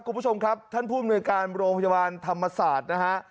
กลุ่มผู้ชมครับท่านผู้บริการโรงพยาบาลธรรมศาสตร์